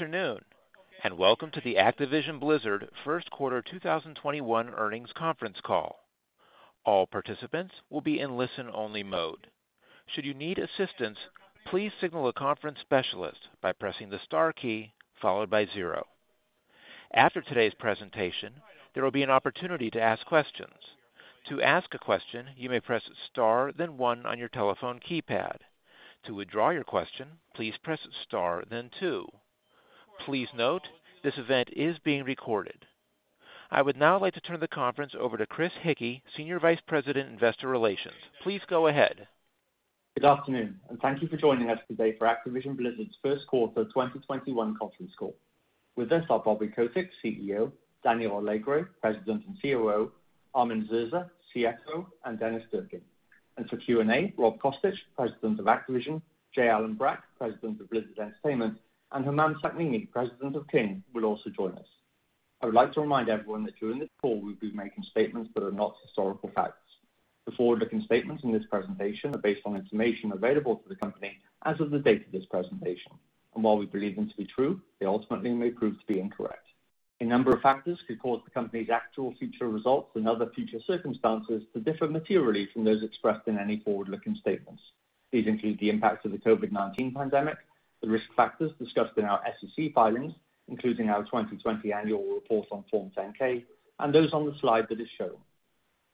Good afternoon, and welcome to the Activision Blizzard first quarter 2021 earnings conference call. All participants will be in listen-only mode. Should you need assistance, please signal a conference specialist by pressing the star key followed by zero. After today's presentation, there will be an opportunity to ask questions. To ask a question, you may press star then one on your telephone keypad. To withdraw your question, please press star then two. Please note, this event is being recorded. I would now like to turn the conference over to Chris Hickey, Senior Vice President, Investor Relations. Please go ahead. Good afternoon and thank you for joining us today for Activision Blizzard's first quarter 2021 conference call. With us are Bobby Kotick, CEO, Daniel Alegre, President and COO, Armin Zerza, CFO, and Dennis Durkin. For Q&A, Rob Kostich, President of Activision, J. Allen Brack, President of Blizzard Entertainment, and Humam Sakhnini, President of King, will also join us. I would like to remind everyone that during this call, we'll be making statements that are not historical facts. The forward-looking statements in this presentation are based on information available to the company as of the date of this presentation, and while we believe them to be true, they ultimately may prove to be incorrect. A number of factors could cause the company's actual future results and other future circumstances to differ materially from those expressed in any forward-looking statements. These include the impact of the COVID-19 pandemic, the risk factors discussed in our SEC filings, including our 2020 annual report on Form 10-K and those on the slide that is shown.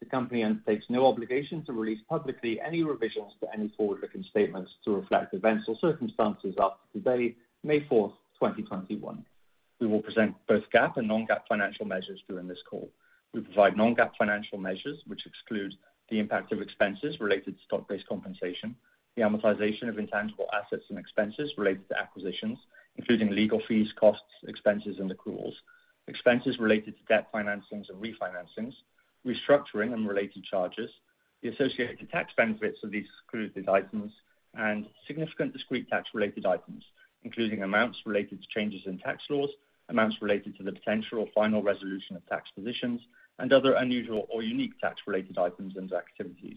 The company undertakes no obligation to release publicly any revisions to any forward-looking statements to reflect events or circumstances after today, May 4th, 2021. We will present both GAAP and non-GAAP financial measures during this call. We provide non-GAAP financial measures which exclude the impact of expenses related to stock-based compensation, the amortization of intangible assets and expenses related to acquisitions, including legal fees, costs, expenses, and accruals, expenses related to debt financings and refinancings, restructuring and related charges, the associated tax benefits of these excluded items, and significant discrete tax-related items, including amounts related to changes in tax laws, amounts related to the potential or final resolution of tax positions, and other unusual or unique tax-related items and activities.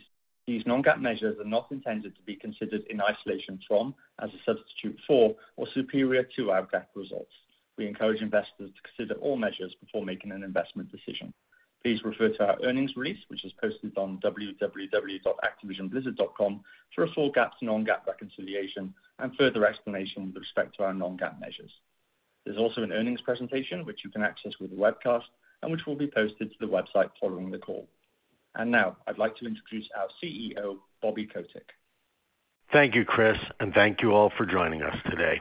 These non-GAAP measures are not intended to be considered in isolation from, as a substitute for, or superior to our GAAP results. We encourage investors to consider all measures before making an investment decision. Please refer to our earnings release, which is posted on www.activisionblizzard.com for a full GAAP to non-GAAP reconciliation and further explanation with respect to our non-GAAP measures. There's also an earnings presentation which you can access with the webcast and which will be posted to the website following the call. Now, I'd like to introduce our CEO, Bobby Kotick. Thank you, Chris, and thank you all for joining us today.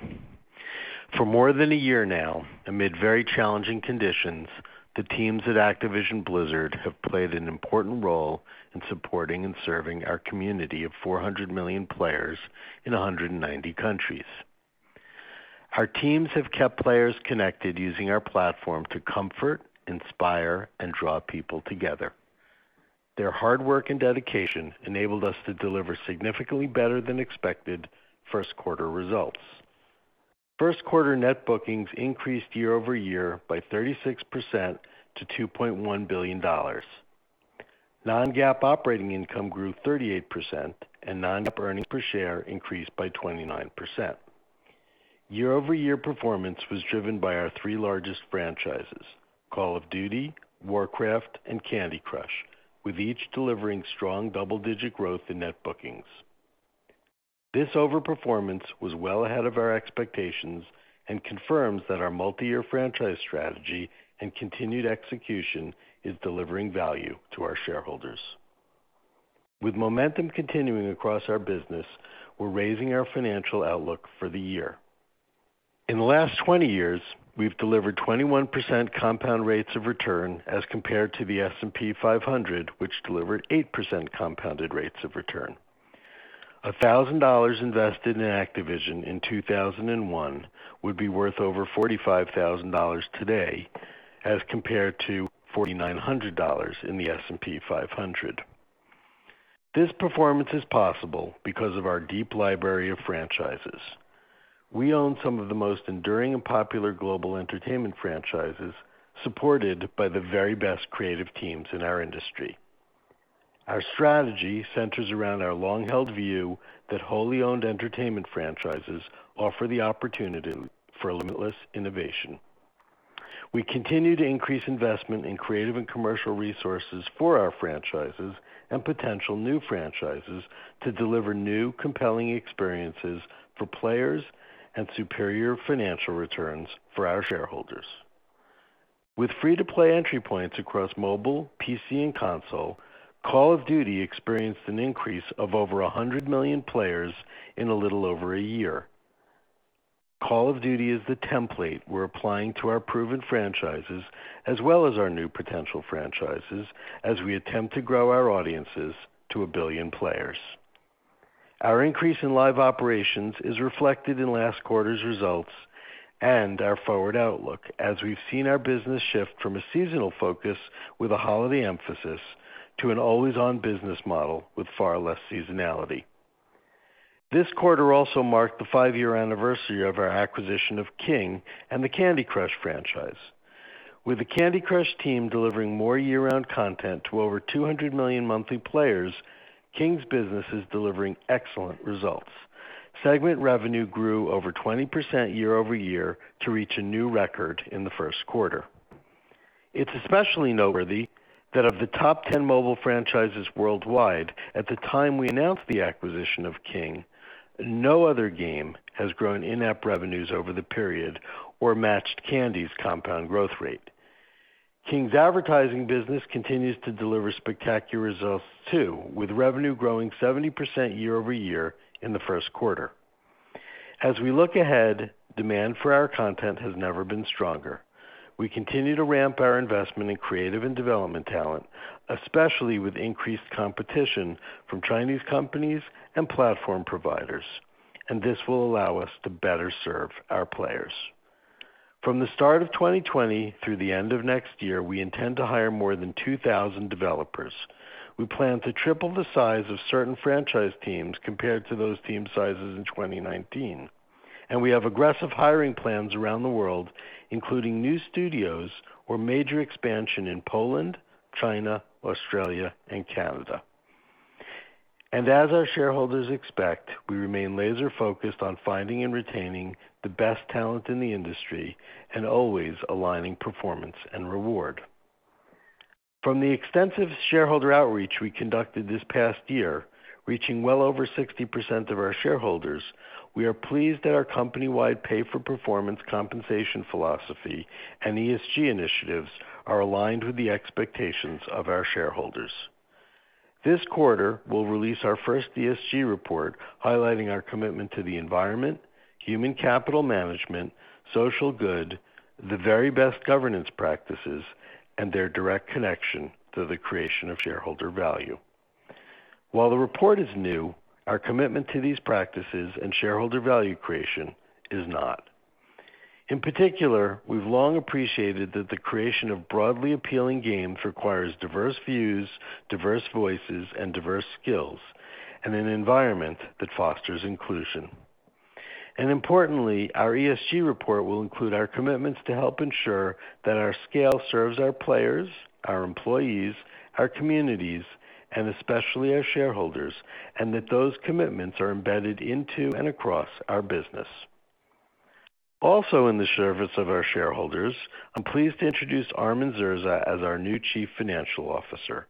For more than a year now, amid very challenging conditions, the teams at Activision Blizzard have played an important role in supporting and serving our community of 400 million players in 190 countries. Our teams have kept players connected using our platform to comfort, inspire, and draw people together. Their hard work and dedication enabled us to deliver significantly better than expected first quarter results. First quarter net bookings increased year-over-year by 36% to $2.1 billion. Non-GAAP operating income grew 38%, and non-GAAP earnings per share increased by 29%. Year-over-year performance was driven by our three largest franchises, Call of Duty, Warcraft, and Candy Crush, with each delivering strong double-digit growth in net bookings. This over-performance was well ahead of our expectations and confirms that our multi-year franchise strategy and continued execution is delivering value to our shareholders. With momentum continuing across our business, we're raising our financial outlook for the year. In the last 20 years, we've delivered 21% compound rates of return as compared to the S&P 500, which delivered 8% compounded rates of return. $1,000 invested in Activision in 2001 would be worth over $45,000 today as compared to $4,900 in the S&P 500. This performance is possible because of our deep library of franchises. We own some of the most enduring and popular global entertainment franchises, supported by the very best creative teams in our industry. Our strategy centers around our long-held view that wholly owned entertainment franchises offer the opportunity for limitless innovation. We continue to increase investment in creative and commercial resources for our franchises and potential new franchises to deliver new, compelling experiences for players and superior financial returns for our shareholders. With free-to-play entry points across mobile, PC, and console, Call of Duty experienced an increase of over 100 million players in a little over a year. Call of Duty is the template we're applying to our proven franchises as well as our new potential franchises as we attempt to grow our audiences to one billion players. Our increase in live operations is reflected in last quarter's results and our forward outlook as we've seen our business shift from a seasonal focus with a holiday emphasis to an always-on business model with far less seasonality. This quarter also marked the five-year anniversary of our acquisition of King Digital Entertainment and the Candy Crush franchise. With the Candy Crush team delivering more year-round content to over 200 million monthly players, King's business is delivering excellent results. Segment revenue grew over 20% year-over-year to reach a new record in the first quarter. It's especially noteworthy that of the top 10 mobile franchises worldwide at the time we announced the acquisition of King, no other game has grown in-app revenues over the period or matched Candy's compound growth rate. King's advertising business continues to deliver spectacular results too, with revenue growing 70% year-over-year in the first quarter. As we look ahead, demand for our content has never been stronger. We continue to ramp our investment in creative and development talent, especially with increased competition from Chinese companies and platform providers, and this will allow us to better serve our players. From the start of 2020 through the end of next year, we intend to hire more than 2,000 developers. We plan to triple the size of certain franchise teams compared to those team sizes in 2019. We have aggressive hiring plans around the world, including new studios or major expansion in Poland, China, Australia, and Canada. As our shareholders expect, we remain laser-focused on finding and retaining the best talent in the industry and always aligning performance and reward. From the extensive shareholder outreach we conducted this past year, reaching well over 60% of our shareholders, we are pleased that our company-wide pay-for-performance compensation philosophy and ESG initiatives are aligned with the expectations of our shareholders. This quarter, we'll release our first ESG report highlighting our commitment to the environment, human capital management, social good, the very best governance practices, and their direct connection to the creation of shareholder value. While the report is new, our commitment to these practices and shareholder value creation is not. In particular, we've long appreciated that the creation of broadly appealing games requires diverse views, diverse voices, and diverse skills, and an environment that fosters inclusion. Importantly, our ESG report will include our commitments to help ensure that our scale serves our players, our employees, our communities, and especially our shareholders, and that those commitments are embedded into and across our business. In the service of our shareholders, I'm pleased to introduce Armin Zerza as our new Chief Financial Officer.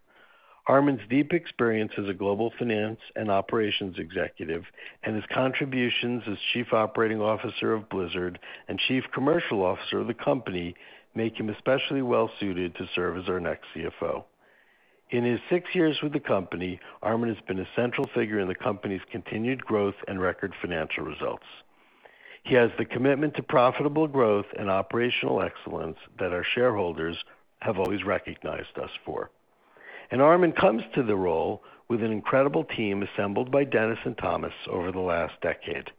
Armin's deep experience as a global finance and operations executive and his contributions as chief operating officer of Blizzard and chief commercial officer of the company make him especially well-suited to serve as our next CFO. In his six years with the company, Armin has been a central figure in the company's continued growth and record financial results. He has the commitment to profitable growth and operational excellence that our shareholders have always recognized us for. Armin comes to the role with an incredible team assembled by Dennis and Thomas over the last decade.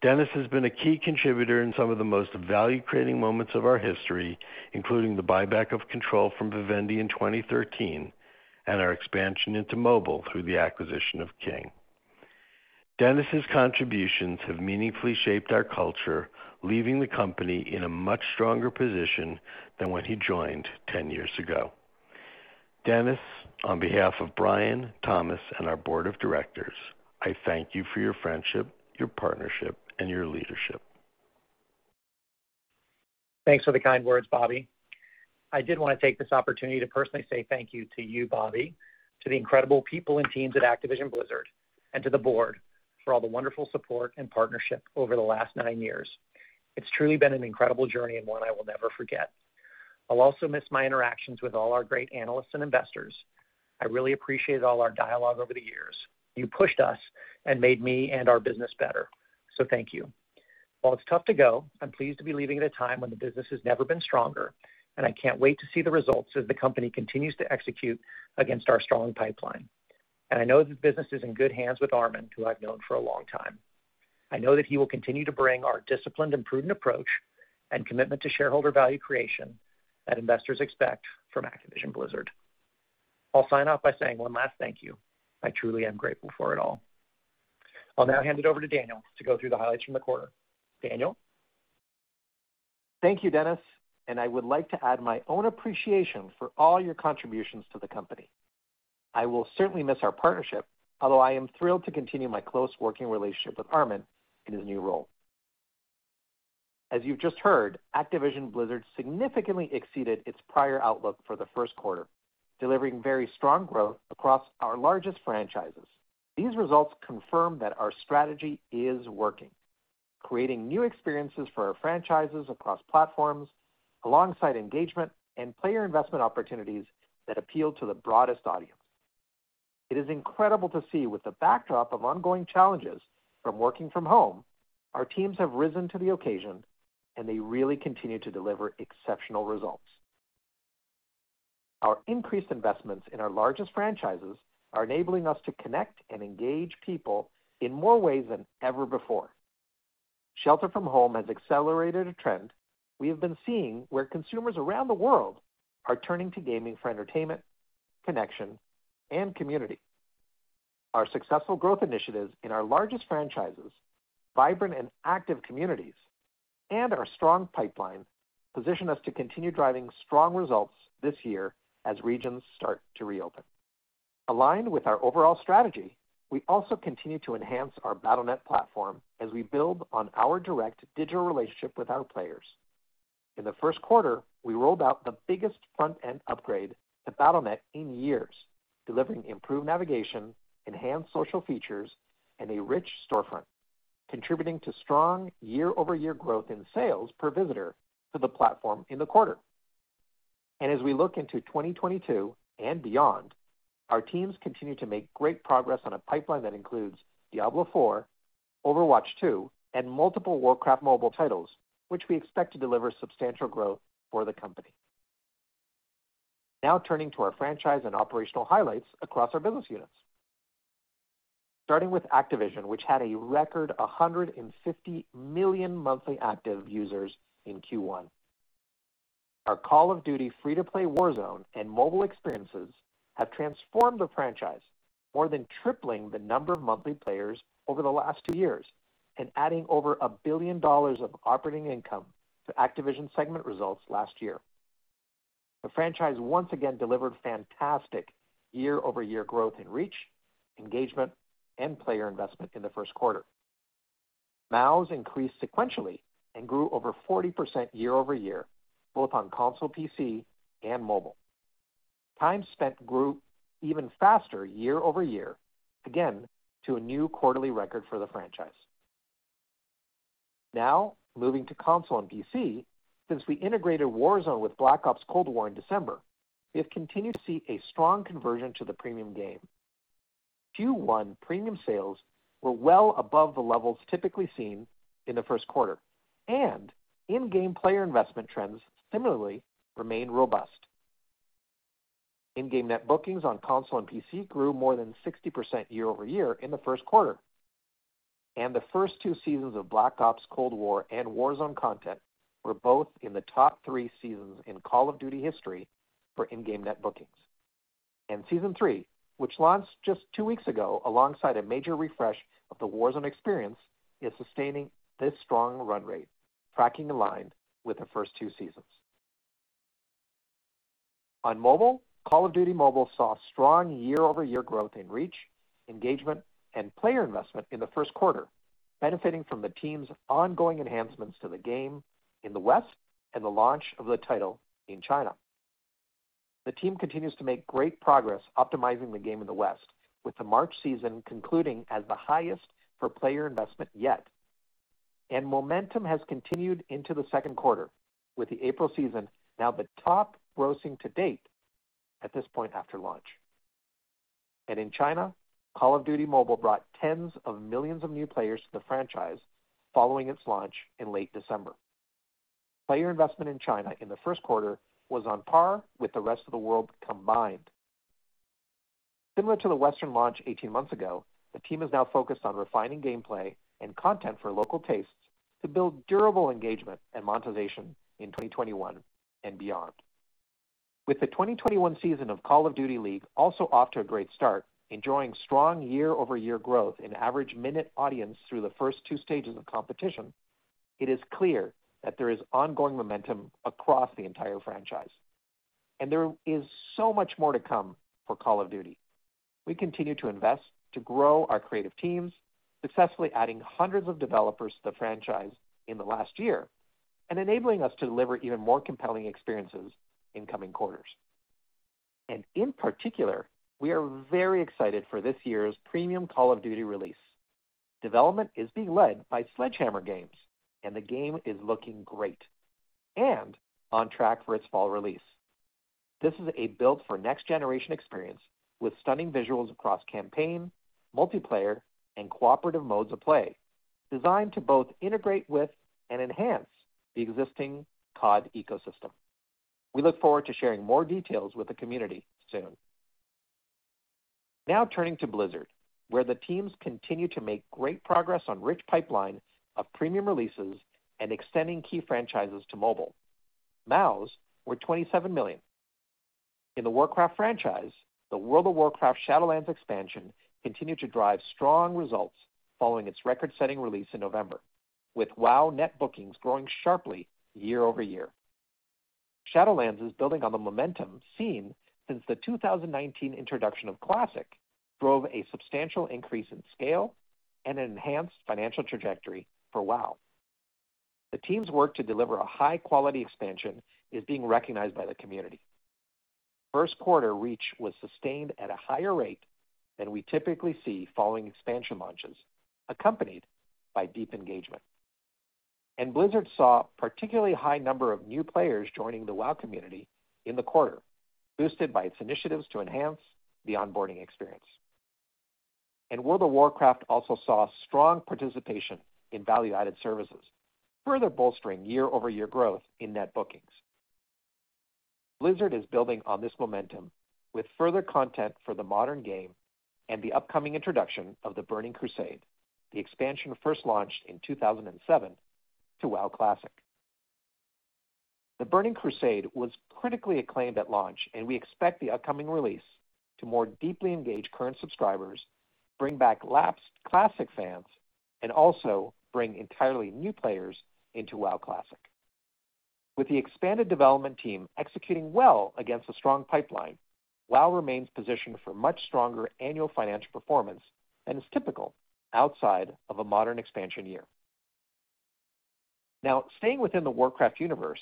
Dennis has been a key contributor in some of the most value-creating moments of our history, including the buyback of control from Vivendi in 2013 and our expansion into mobile through the acquisition of King Digital Entertainment. Dennis' contributions have meaningfully shaped our culture, leaving the company in a much stronger position than when he joined 10 years ago. Dennis, on behalf of Brian, Thomas, and our board of directors, I thank you for your friendship, your partnership, and your leadership. Thanks for the kind words, Bobby. I did want to take this opportunity to personally say thank you to you, Bobby, to the incredible people and teams at Activision Blizzard, and to the board for all the wonderful support and partnership over the last nine years. It's truly been an incredible journey and one I will never forget. I'll also miss my interactions with all our great analysts and investors. I really appreciate all our dialogue over the years. You pushed us and made me and our business better, so thank you. While it's tough to go, I'm pleased to be leaving at a time when the business has never been stronger, and I can't wait to see the results as the company continues to execute against our strong pipeline. I know the business is in good hands with Armin, who I've known for a long time. I know that he will continue to bring our disciplined and prudent approach and commitment to shareholder value creation that investors expect from Activision Blizzard. I'll sign off by saying one last thank you. I truly am grateful for it all. I'll now hand it over to Daniel to go through the highlights from the quarter. Daniel? Thank you, Dennis, and I would like to add my own appreciation for all your contributions to the company. I will certainly miss our partnership, although I am thrilled to continue my close working relationship with Armin in his new role. As you've just heard, Activision Blizzard significantly exceeded its prior outlook for the first quarter, delivering very strong growth across our largest franchises. These results confirm that our strategy is working, creating new experiences for our franchises across platforms alongside engagement and player investment opportunities that appeal to the broadest audience. It is incredible to see with the backdrop of ongoing challenges from working from home, our teams have risen to the occasion and they really continue to deliver exceptional results. Our increased investments in our largest franchises are enabling us to connect and engage people in more ways than ever before. Shelter from home has accelerated a trend we have been seeing where consumers around the world are turning to gaming for entertainment, connection, and community. Our successful growth initiatives in our largest franchises, vibrant and active communities, and our strong pipeline position us to continue driving strong results this year as regions start to reopen. Aligned with our overall strategy, we also continue to enhance our Battle.net platform as we build on our direct digital relationship with our players. In the first quarter, we rolled out the biggest front-end upgrade to Battle.net in years, delivering improved navigation, enhanced social features, and a rich storefront, contributing to strong year-over-year growth in sales per visitor to the platform in the quarter. As we look into 2022 and beyond, our teams continue to make great progress on a pipeline that includes Diablo IV, Overwatch 2, and multiple Warcraft mobile titles, which we expect to deliver substantial growth for the company. Now turning to our franchise and operational highlights across our business units. Starting with Activision, which had a record 150 million monthly active users in Q1. Our Call of Duty free-to-play Warzone and mobile experiences have transformed the franchise, more than tripling the number of monthly players over the last two years and adding over $1 billion of operating income to Activision segment results last year. The franchise once again delivered fantastic year-over-year growth in reach, engagement, and player investment in the first quarter. MAUs increased sequentially and grew over 40% year-over-year, both on console PC and mobile. Time spent grew even faster year-over-year, again to a new quarterly record for the franchise. Moving to console and PC. Since we integrated Warzone with Black Ops Cold War in December, we have continued to see a strong conversion to the premium game. Q1 premium sales were well above the levels typically seen in the first quarter, and in-game player investment trends similarly remained robust. In-game net bookings on console and PC grew more than 60% year-over-year in the first quarter, and the first two seasons of Black Ops Cold War and Warzone content were both in the top three seasons in Call of Duty history for in-game net bookings. Season 3, which launched just two weeks ago alongside a major refresh of the Warzone experience, is sustaining this strong run rate, tracking in line with the first two seasons. On mobile, Call of Duty Mobile saw strong year-over-year growth in reach, engagement, and player investment in the first quarter, benefiting from the team's ongoing enhancements to the game in the West and the launch of the title in China. The team continues to make great progress optimizing the game in the West, with the March season concluding as the highest for player investment yet. Momentum has continued into the second quarter, with the April season now the top grossing to date at this point after launch. In China, Call of Duty Mobile brought tens of millions of new players to the franchise following its launch in late December. Player investment in China in the first quarter was on par with the rest of the world combined. Similar to the Western launch 18 months ago, the team is now focused on refining gameplay and content for local tastes to build durable engagement and monetization in 2021 and beyond. With the 2021 season of Call of Duty League also off to a great start, enjoying strong year-over-year growth in average minute audience through the first two stages of competition, it is clear that there is ongoing momentum across the entire franchise. There is so much more to come for Call of Duty. We continue to invest to grow our creative teams, successfully adding hundreds of developers to the franchise in the last year and enabling us to deliver even more compelling experiences in coming quarters. In particular, we are very excited for this year's premium Call of Duty release. Development is being led by Sledgehammer Games, and the game is looking great and on track for its fall release. This is a built-for-next-generation experience with stunning visuals across campaign, multiplayer, and cooperative modes of play, designed to both integrate with and enhance the existing COD ecosystem. We look forward to sharing more details with the community soon. Now turning to Blizzard, where the teams continue to make great progress on rich pipeline of premium releases and extending key franchises to mobile. MAUs were 27 million. In the Warcraft franchise, the World of Warcraft: Shadowlands expansion continued to drive strong results following its record-setting release in November, with WoW net bookings growing sharply year-over-year. Shadowlands is building on the momentum seen since the 2019 introduction of Classic, drove a substantial increase in scale and an enhanced financial trajectory for WoW. The team's work to deliver a high-quality expansion is being recognized by the community. First quarter reach was sustained at a higher rate than we typically see following expansion launches, accompanied by deep engagement. Blizzard saw a particularly high number of new players joining the WoW community in the quarter, boosted by its initiatives to enhance the onboarding experience. World of Warcraft also saw strong participation in value-added services, further bolstering year-over-year growth in net bookings. Blizzard is building on this momentum with further content for the modern game and the upcoming introduction of The World of Warcraft: The Burning Crusade, the expansion first launched in 2007 to WoW Classic. The Burning Crusade was critically acclaimed at launch, and we expect the upcoming release to more deeply engage current subscribers, bring back lapsed Classic fans, and also bring entirely new players into WoW Classic. With the expanded development team executing well against a strong pipeline, WoW remains positioned for much stronger annual financial performance than is typical outside of a modern expansion year. Staying within the Warcraft universe,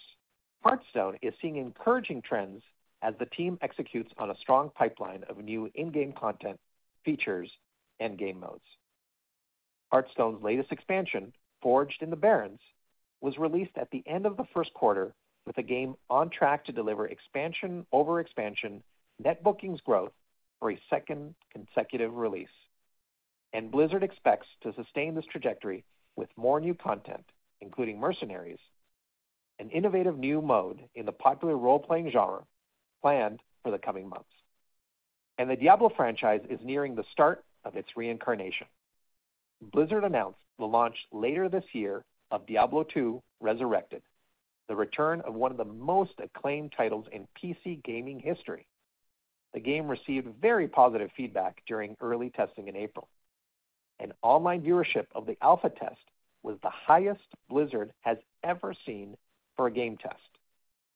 Hearthstone is seeing encouraging trends as the team executes on a strong pipeline of new in-game content, features, and game modes. Hearthstone's latest expansion, Forged in the Barrens, was released at the end of the first quarter with the game on track to deliver expansion-over-expansion net bookings growth for a second consecutive release. Blizzard expects to sustain this trajectory with more new content, including Mercenaries, an innovative new mode in the popular role-playing genre planned for the coming months. The Diablo franchise is nearing the start of its reincarnation. Blizzard announced the launch later this year of Diablo II: Resurrected, the return of one of the most acclaimed titles in PC gaming history. The game received very positive feedback during early testing in April, and online viewership of the alpha test was the highest Blizzard has ever seen for a game test,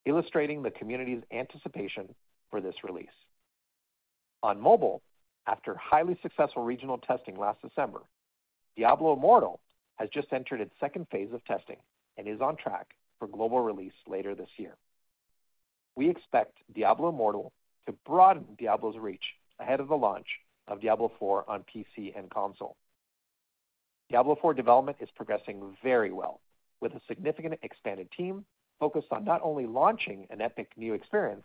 illustrating the community's anticipation for this release. On mobile, after highly successful regional testing last December, Diablo Immortal has just entered its phase two of testing and is on track for global release later this year. We expect Diablo Immortal to broaden Diablo's reach ahead of the launch of Diablo IV on PC and console. Diablo IV development is progressing very well with a significantly expanded team focused on not only launching an epic new experience,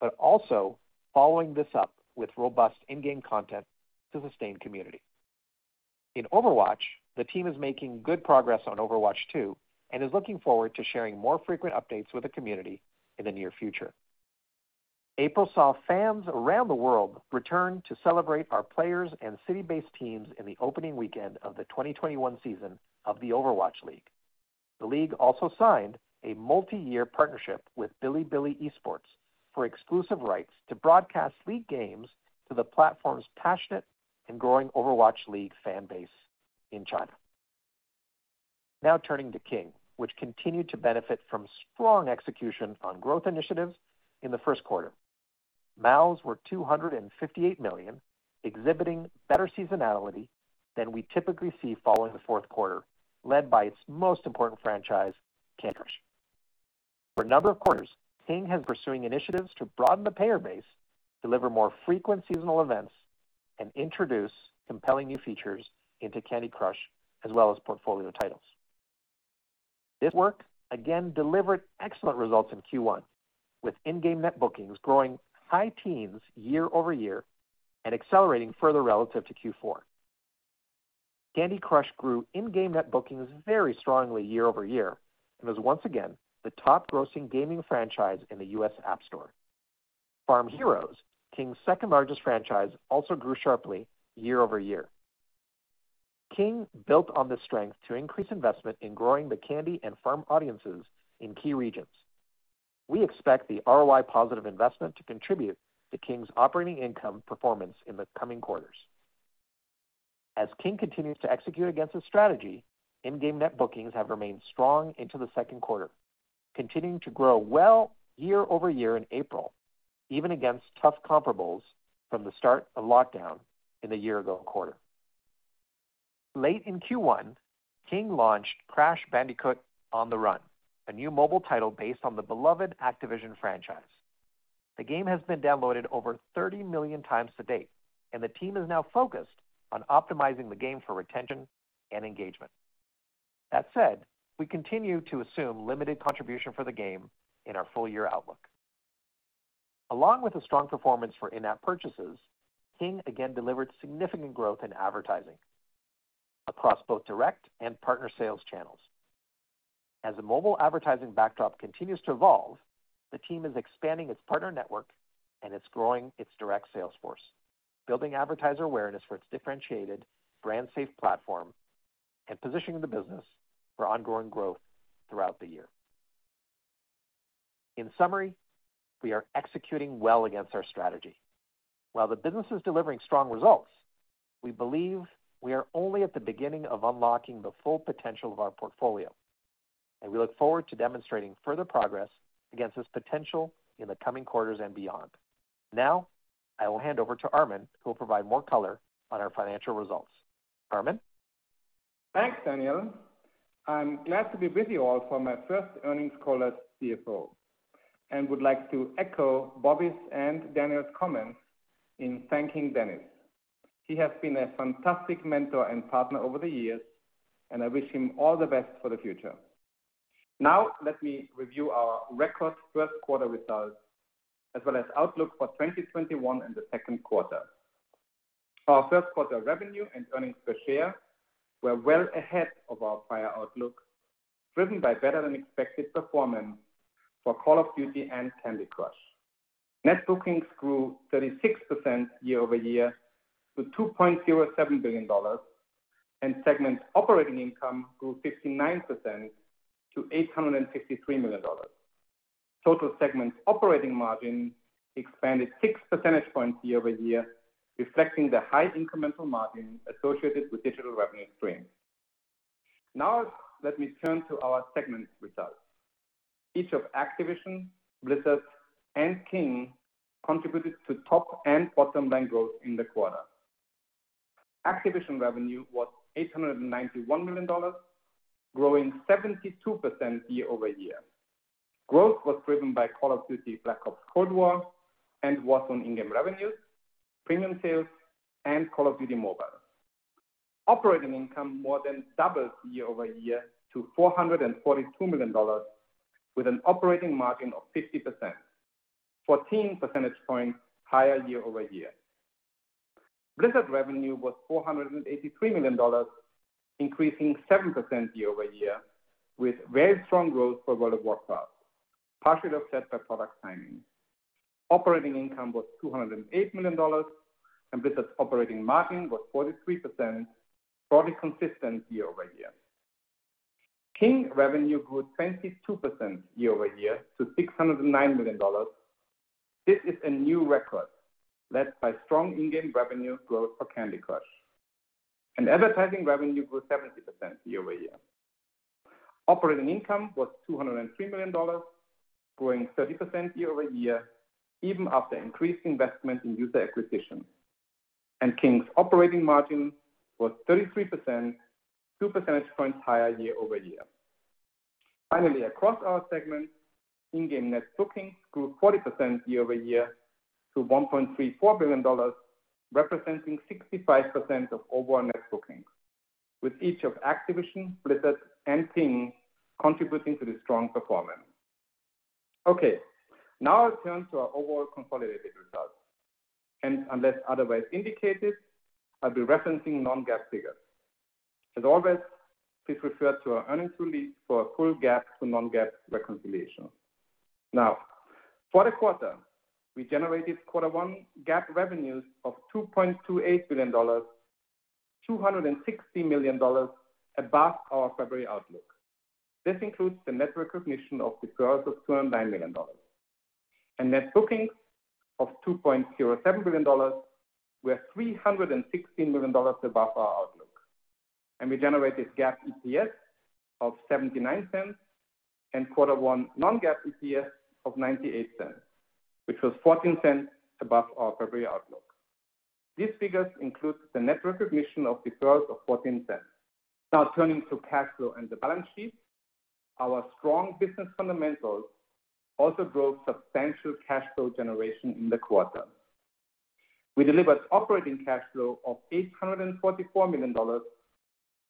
but also following this up with robust in-game content to sustain community. In Overwatch, the team is making good progress on Overwatch 2 and is looking forward to sharing more frequent updates with the community in the near future. April saw fans around the world return to celebrate our players and city-based teams in the opening weekend of the 2021 season of the Overwatch League. The league also signed a multi-year partnership with Bilibili Esports for exclusive rights to broadcast league games to the platform's passionate and growing Overwatch League fan base in China. Now turning to King, which continued to benefit from strong execution on growth initiatives in the first quarter. MAUs were 258 million, exhibiting better seasonality than we typically see following the fourth quarter, led by its most important franchise, Candy Crush. For a number of quarters, King has been pursuing initiatives to broaden the payer base, deliver more frequent seasonal events, and introduce compelling new features into Candy Crush as well as portfolio titles. This work again delivered excellent results in Q1, with in-game net bookings growing high teens year-over-year and accelerating further relative to Q4. Candy Crush grew in-game net bookings very strongly year-over-year and was once again the top grossing gaming franchise in the U.S. App Store. Farm Heroes Saga, King's second-largest franchise, also grew sharply year over year. King Digital Entertainment built on this strength to increase investment in growing the Candy and Farm audiences in key regions. We expect the ROI-positive investment to contribute to King's operating income performance in the coming quarters. As King Digital Entertainment continues to execute against this strategy, in-game net bookings have remained strong into the second quarter, continuing to grow well year over year in April, even against tough comparables from the start of lockdown in the year-ago quarter. Late in Q1, King Digital Entertainment launched Crash Bandicoot: On the Run!, a new mobile title based on the beloved Activision franchise. The game has been downloaded over 30 million times to date, and the team is now focused on optimizing the game for retention and engagement. That said, we continue to assume limited contribution for the game in our full-year outlook. Along with the strong performance for in-app purchases, King Digital Entertainment again delivered significant growth in advertising across both direct and partner sales channels. As the mobile advertising backdrop continues to evolve, the team is expanding its partner network and is growing its direct sales force, building advertiser awareness for its differentiated brand-safe platform and positioning the business for ongoing growth throughout the year. In summary, we are executing well against our strategy. While the business is delivering strong results, we believe we are only at the beginning of unlocking the full potential of our portfolio, and we look forward to demonstrating further progress against this potential in the coming quarters and beyond. I will hand over to Armin, who will provide more color on our financial results. Armin? Thanks, Daniel. I'm glad to be with you all for my first earnings call as CFO and would like to echo Bobby's and Daniel's comments in thanking Dennis. He has been a fantastic mentor and partner over the years, and I wish him all the best for the future. Let me review our record first quarter results as well as outlook for 2021 and the second quarter. Our first quarter revenue and earnings per share were well ahead of our prior outlook, driven by better-than-expected performance for Call of Duty and Candy Crush. Net bookings grew 36% year-over-year to $2.07 billion, and segment operating income grew 59% to $863 million. Total segment operating margin expanded six percentage points year-over-year, reflecting the high incremental margin associated with digital revenue streams. Let me turn to our segment results. Each of Activision, Blizzard, and King Digital Entertainment contributed to top and bottom line growth in the quarter. Activision revenue was $891 million, growing 72% year-over-year. Growth was driven by Call of Duty: Black Ops Cold War and Warzone in-game revenues, premium sales, and Call of Duty Mobile. Operating income more than doubled year-over-year to $442 million, with an operating margin of 50%, 14 percentage points higher year-over-year. Blizzard revenue was $483 million, increasing 7% year-over-year, with very strong growth for World of Warcraft, partially offset by product timing. Operating income was $208 million, and Blizzard's operating margin was 43%, broadly consistent year-over-year. King Digital Entertainment revenue grew 22% year-over-year to $609 million. This is a new record led by strong in-game revenue growth for Candy Crush. Advertising revenue grew 70% year-over-year. Operating income was $203 million, growing 30% year-over-year, even after increased investment in user acquisition. King's operating margin was 33%, two percentage points higher year-over-year. Finally, across our segments, in-game net bookings grew 40% year-over-year to $1.34 billion, representing 65% of overall net bookings, with each of Activision, Blizzard, and King Digital Entertainment contributing to the strong performance. Okay, now I turn to our overall consolidated results, and unless otherwise indicated, I'll be referencing non-GAAP figures. As always, please refer to our earnings release for a full GAAP to non-GAAP reconciliation. For the quarter, we generated quarter one GAAP revenues of $2.28 billion, $260 million above our February outlook. This includes the net recognition of deferreds of $209 million. Net bookings of $2.07 billion were $316 million above our outlook. We generated GAAP EPS of $0.79 and quarter one non-GAAP EPS of $0.98, which was $0.14 above our February outlook. These figures include the net recognition of deferreds of $0.14. Turning to cash flow and the balance sheet, our strong business fundamentals also drove substantial cash flow generation in the quarter. We delivered operating cash flow of $844 million,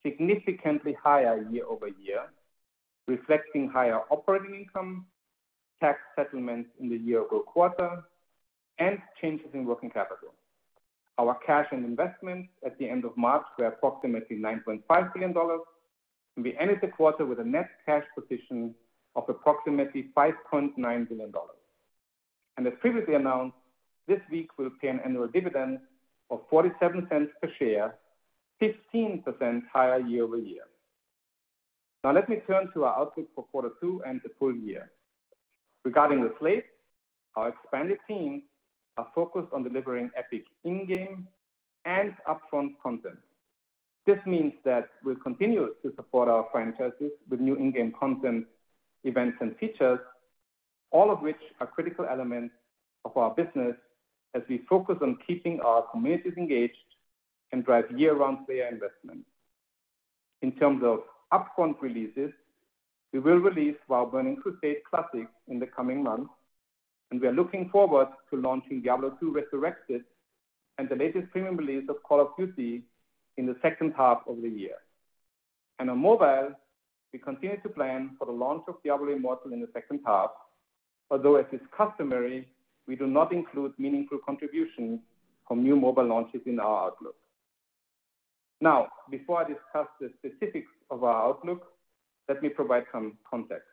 significantly higher year-over-year, reflecting higher operating income, tax settlements in the year-ago quarter, and changes in working capital. Our cash and investments at the end of March were approximately $9.5 billion, and we ended the quarter with a net cash position of approximately $5.9 billion. As previously announced, this week we'll pay an annual dividend of $0.47 per share, 15% higher year-over-year. Let me turn to our outlook for quarter two and the full year. Regarding the slate, our expanded teams are focused on delivering epic in-game and upfront content. This means that we'll continue to support our franchises with new in-game content, events, and features, all of which are critical elements of our business as we focus on keeping our communities engaged and drive year-round player investment. In terms of upfront releases, we will release World of Warcraft: Classic in the coming months, and we are looking forward to launching Diablo II: Resurrected and the latest premium release of Call of Duty in the second half of the year. On mobile, we continue to plan for the launch of Diablo Immortal in the second half, although as is customary, we do not include meaningful contributions from new mobile launches in our outlook. Now, before I discuss the specifics of our outlook, let me provide some context.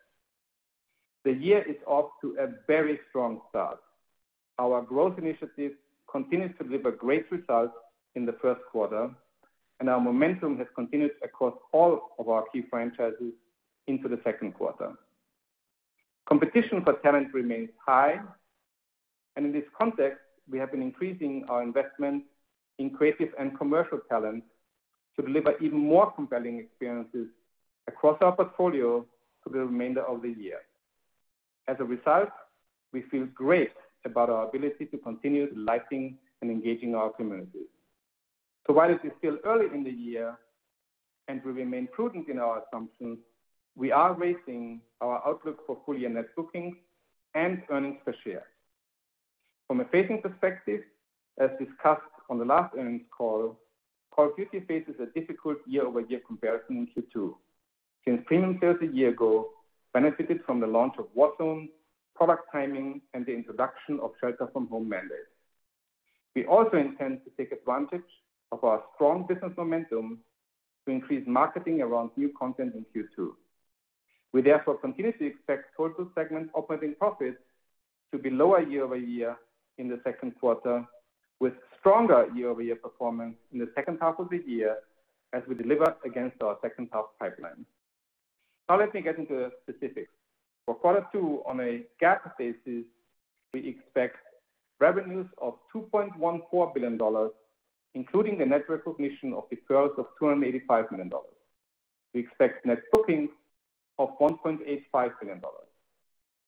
The year is off to a very strong start. Our growth initiatives continued to deliver great results in the first quarter, and our momentum has continued across all of our key franchises into the second quarter. Competition for talent remains high, and in this context, we have been increasing our investment in creative and commercial talent to deliver even more compelling experiences across our portfolio for the remainder of the year. As a result, we feel great about our ability to continue delighting and engaging our communities. While it is still early in the year and we remain prudent in our assumptions, we are raising our outlook for full year net bookings and earnings per share. From a phasing perspective, as discussed on the last earnings call, Call of Duty faces a difficult year-over-year comparison in Q2 since premium sales a year ago benefited from the launch of Warzone, product timing, and the introduction of shelter-from-home mandate. We also intend to take advantage of our strong business momentum to increase marketing around new content in Q2. We therefore continue expect total segment operating profits to be lower year-over-year in the second quarter, with stronger year-over-year performance in the second half of the year as we deliver against our second half pipeline. Now let me get into the specifics. For quarter two on a GAAP basis, we expect revenues of $2.14 billion, including the net recognition of deferrals of $285 million. We expect net bookings of $1.58 billion.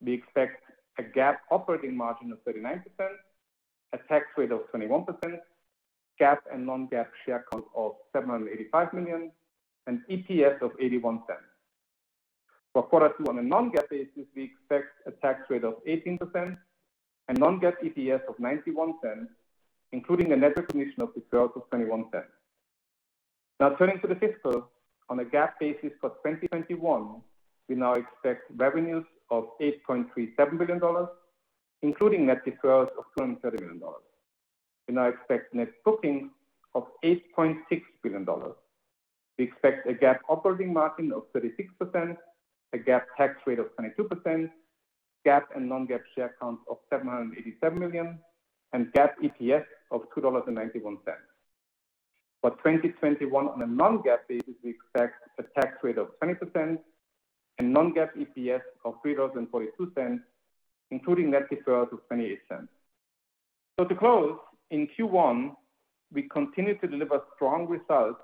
We expect a GAAP operating margin of 39%, a tax rate of 21%, GAAP and non-GAAP share count of 785 million, and EPS of $0.81. For quarter two on a non-GAAP basis, we expect a tax rate of 18% and non-GAAP EPS of $0.91, including a net recognition of deferrals of $0.21. Turning to the fiscal. On a GAAP basis for 2021, we now expect revenues of $8.37 billion, including net deferrals of $230 million. We now expect net bookings of $8.6 billion. We expect a GAAP operating margin of 36%, a GAAP tax rate of 22%, GAAP and non-GAAP share count of 787 million, and GAAP EPS of $2.91. For 2021 on a non-GAAP basis, we expect a tax rate of 20% and non-GAAP EPS of $3.42, including net deferrals of $0.28. To close, in Q1, we continued to deliver strong results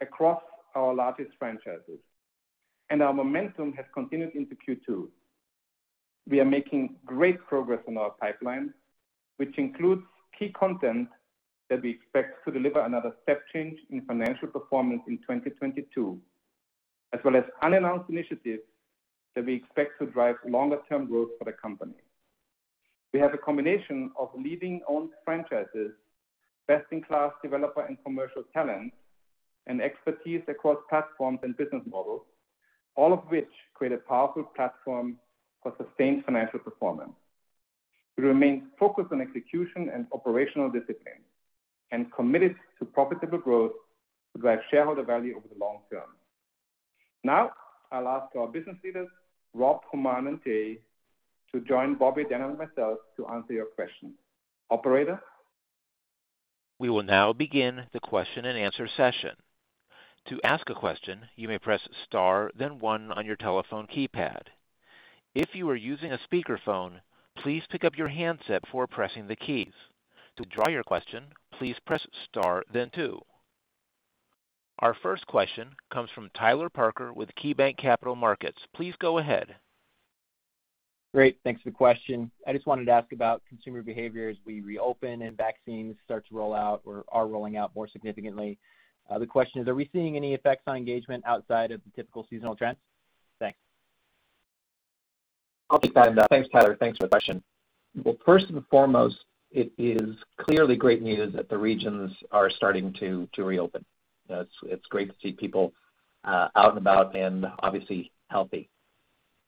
across our largest franchises. Our momentum has continued into Q2. We are making great progress on our pipeline, which includes key content that we expect to deliver another step change in financial performance in 2022, as well as unannounced initiatives that we expect to drive longer term growth for the company. We have a combination of leading owned franchises, best-in-class developer and commercial talent, and expertise across platforms and business models, all of which create a powerful platform for sustained financial performance. We remain focused on execution and operational discipline and committed to profitable growth to drive shareholder value over the long term. Now, I'll ask our business leaders, Rob, Humam and J. Allen Brack, to join Bobby, Daniel, and myself to answer your questions. Operator. We will now begin the question and answer session. To ask a question, you may press star then one on your telephone keypad. If you are using a speakerphone, please pick up your handset before pressing the keys. To draw your question, please press star then two. Our first question comes from Tyler Parker with KeyBanc Capital Markets. Please go ahead. Great. Thanks for the question. I just wanted to ask about consumer behavior as we reopen and vaccines start to roll out or are rolling out more significantly. The question is, are we seeing any effects on engagement outside of the typical seasonal trends? Thanks. I'll take that. Thanks, Tyler. Thanks for the question. Well, first and foremost, it is clearly great news that the regions are starting to reopen. It's great to see people out and about and obviously healthy.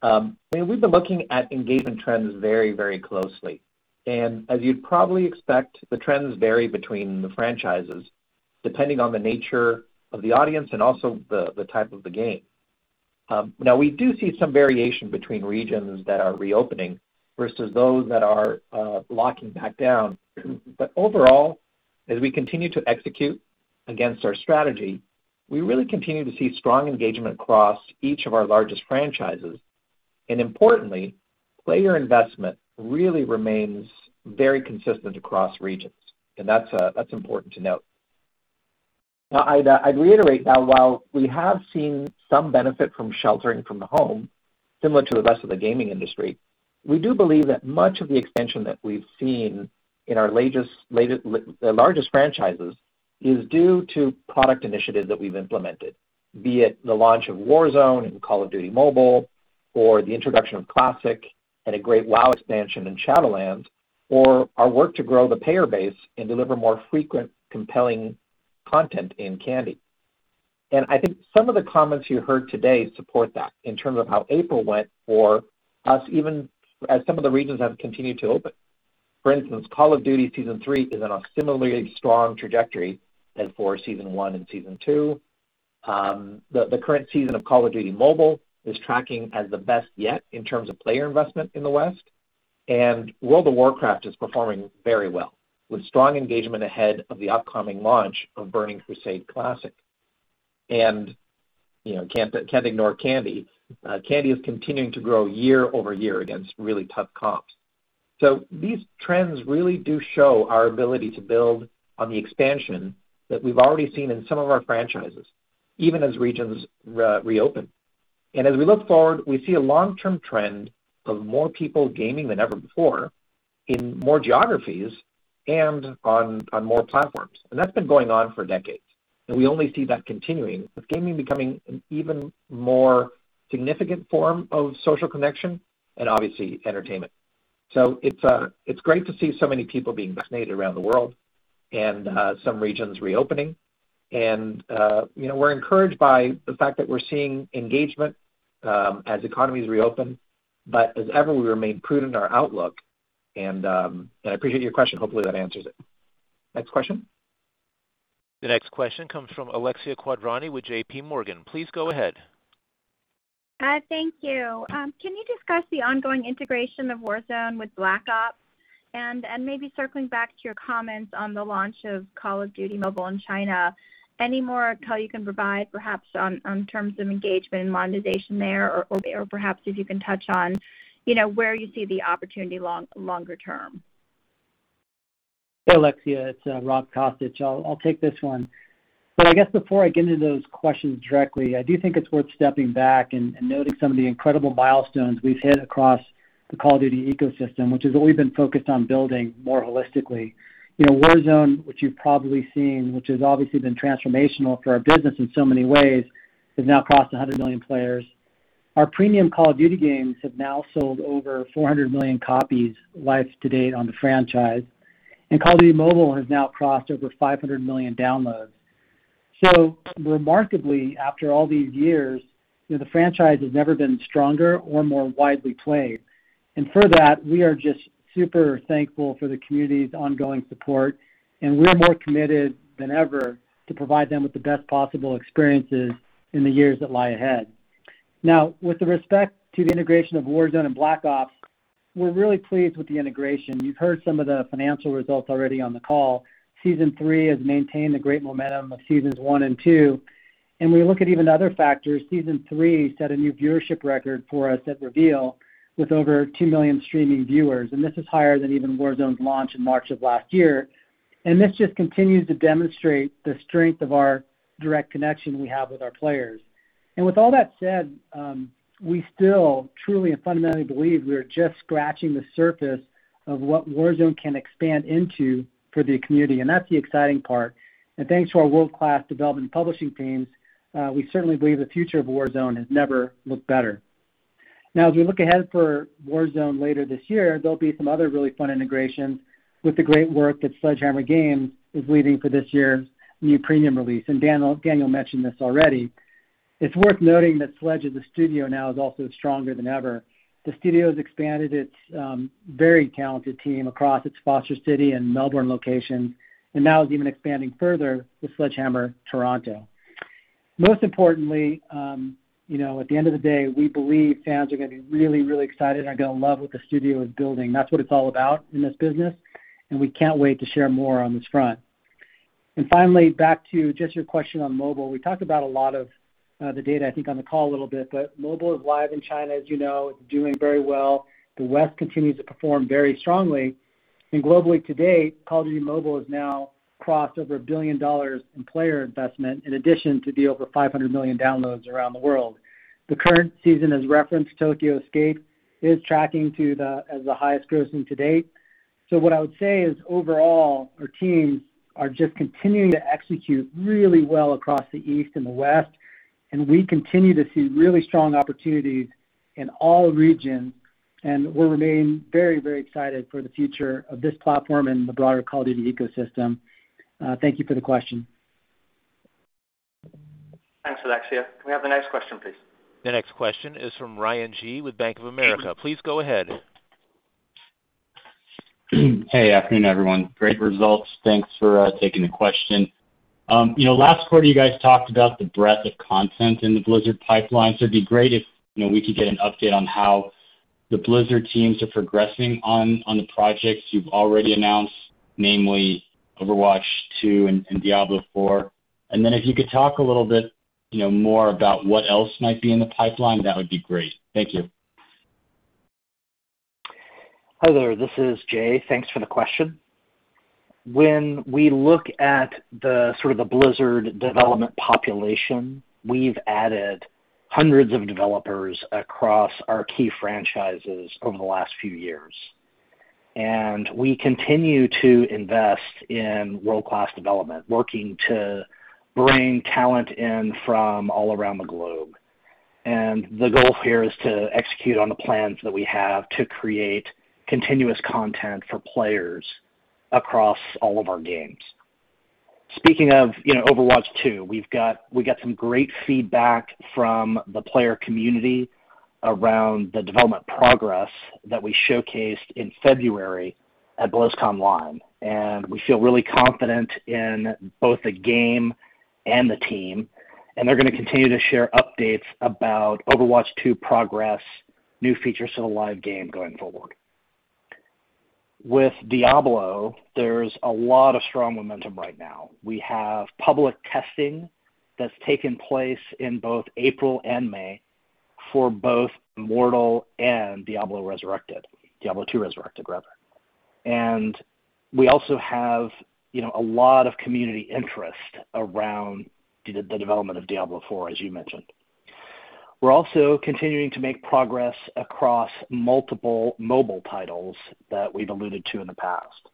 We've been looking at engagement trends very closely, and as you'd probably expect, the trends vary between the franchises depending on the nature of the audience and also the type of the game. Now, we do see some variation between regions that are reopening versus those that are locking back down. Overall, as we continue to execute against our strategy, we really continue to see strong engagement across each of our largest franchises. Importantly, player investment really remains very consistent across regions, and that's important to note. Now, I'd reiterate that while we have seen some benefit from sheltering from the home, similar to the rest of the gaming industry, we do believe that much of the expansion that we've seen in our largest franchises is due to product initiatives that we've implemented, be it the launch of Warzone and Call of Duty Mobile, or the introduction of Classic and a great WoW expansion in Shadowlands, or our work to grow the payer base and deliver more frequent, compelling content in Candy. I think some of the comments you heard today support that in terms of how April went for us, even as some of the regions have continued to open. For instance, Call of Duty Season Three is on a similarly strong trajectory as for Season One and Season Two. The current season of Call of Duty Mobile is tracking as the best yet in terms of player investment in the West. World of Warcraft is performing very well, with strong engagement ahead of the upcoming launch of Burning Crusade Classic. Can't ignore Candy. Candy is continuing to grow year-over-year against really tough comps. These trends really do show our ability to build on the expansion that we've already seen in some of our franchises, even as regions reopen. As we look forward, we see a long-term trend of more people gaming than ever before in more geographies and on more platforms. That's been going on for decades. We only see that continuing with gaming becoming an even more significant form of social connection and obviously entertainment. It's great to see so many people being vaccinated around the world and some regions reopening. We're encouraged by the fact that we're seeing engagement as economies reopen. As ever, we remain prudent in our outlook, and I appreciate your question. Hopefully, that answers it. Next question. The next question comes from Alexia Quadrani with JPMorgan. Please go ahead. Hi, thank you. Can you discuss the ongoing integration of Warzone with Black Ops? Maybe circling back to your comments on the launch of Call of Duty Mobile in China, any more color you can provide perhaps on terms of engagement and monetization there, or perhaps if you can touch on where you see the opportunity longer term? Hey, Alexia. It's Rob Kostich. I'll take this one. I guess before I get into those questions directly, I do think it's worth stepping back and noting some of the incredible milestones we've hit across the Call of Duty ecosystem, which is what we've been focused on building more holistically. Warzone, which you've probably seen, which has obviously been transformational for our business in so many ways, has now crossed 100 million players. Our premium Call of Duty games have now sold over 400 million copies life to date on the franchise, Call of Duty Mobile has now crossed over 500 million downloads. Remarkably, after all these years, the franchise has never been stronger or more widely played. For that, we are just super thankful for the community's ongoing support, and we're more committed than ever to provide them with the best possible experiences in the years that lie ahead. Now, with respect to the integration of Warzone and Black Ops, we're really pleased with the integration. You've heard some of the financial results already on the call. Season three has maintained the great momentum of seasons one and two. When you look at even other factors, season three set a new viewership record for us at reveal with over two million streaming viewers, and this is higher than even Warzone's launch in March of last year. This just continues to demonstrate the strength of our direct connection we have with our players. With all that said, we still truly and fundamentally believe we are just scratching the surface of what Warzone can expand into for the community, and that's the exciting part. Thanks to our world-class development and publishing teams, we certainly believe the future of Warzone has never looked better. Now, as we look ahead for Warzone later this year, there'll be some other really fun integrations with the great work that Sledgehammer Games is leading for this year's new premium release. Daniel mentioned this already. It's worth noting that Sledgehammer as a studio now is also stronger than ever. The studio has expanded its very talented team across its Foster City and Melbourne locations and now is even expanding further with Sledgehammer Toronto. Most importantly, at the end of the day, we believe fans are going to be really, really excited and are going to love what the studio is building. That's what it's all about in this business, and we can't wait to share more on this front. Finally, back to just your question on mobile. We talked about a lot of the data, I think, on the call a little bit, but mobile is live in China, as you know. It's doing very well. The West continues to perform very strongly. Globally to date, Call of Duty Mobile has now crossed over $1 billion in player investment in addition to the over 500 million downloads around the world. The current season, as referenced, Tokyo Escape, is tracking as the highest grossing to date. What I would say is overall, our teams are just continuing to execute really well across the East and the West, and we continue to see really strong opportunities in all regions, and we remain very, very excited for the future of this platform and the broader Call of Duty ecosystem. Thank you for the question. Thanks, Alexia. Can we have the next question, please? The next question is from Ryan Gee with Bank of America. Please go ahead. Hey, afternoon, everyone. Great results. Thanks for taking the question. Last quarter, you guys talked about the breadth of content in the Blizzard pipeline, so it'd be great if we could get an update on how the Blizzard teams are progressing on the projects you've already announced, namely Overwatch 2 and Diablo IV. If you could talk a little bit more about what else might be in the pipeline, that would be great. Thank you. Hi there. This is J. Allen Brack. Thanks for the question. When we look at the Blizzard development population, we've added hundreds of developers across our key franchises over the last few years. We continue to invest in world-class development, working to bring talent in from all around the globe. The goal here is to execute on the plans that we have to create continuous content for players across all of our games. Speaking of Overwatch 2, we got some great feedback from the player community around the development progress that we showcased in February at BlizzConline. We feel really confident in both the game and the team. They're going to continue to share updates about Overwatch 2 progress, new features to the live game going forward. With Diablo, there's a lot of strong momentum right now. We have public testing that's taken place in both April and May for both Immortal and Diablo II: Resurrected, rather. We also have a lot of community interest around the development of Diablo IV, as you mentioned. We're also continuing to make progress across multiple mobile titles that we've alluded to in the past.